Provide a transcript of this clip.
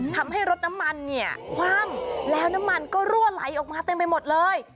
ทำให้รถน้ำมันเนี่ยคว่ำแล้วน้ำมันก็รั่วไหลออกมาเต็มไปหมดเลย